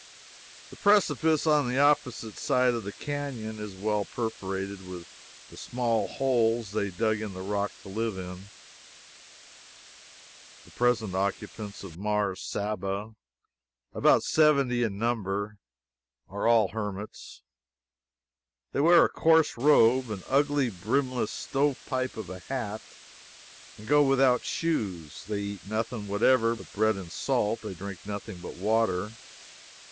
The precipice on the opposite side of the canyon is well perforated with the small holes they dug in the rock to live in. The present occupants of Mars Saba, about seventy in number, are all hermits. They wear a coarse robe, an ugly, brimless stove pipe of a hat, and go without shoes. They eat nothing whatever but bread and salt; they drink nothing but water.